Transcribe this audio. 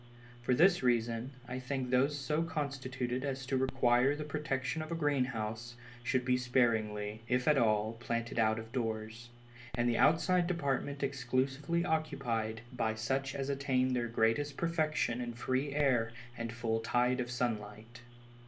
For this reason, I think those so constituted as to require the protection of a green house, should be sparingly, if at all, planted out of doors, and the outside department exclusively occupied by such as attain their greatest perfection in free air and the full tide of sunlight.